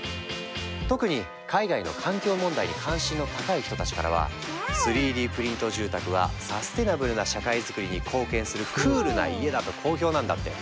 特に海外の環境問題に関心の高い人たちからは３Ｄプリント住宅はサステナブルな社会づくりに貢献するクールな家だと好評なんだって。